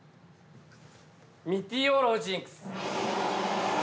メテオロジンクス。